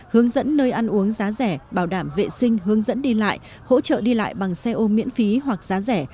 hướng dẫn nơi ăn uống giá rẻ bảo đảm vệ sinh hướng dẫn đi lại hỗ trợ đi lại bằng xe ô miễn phí hoặc giá rẻ